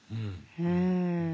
うん。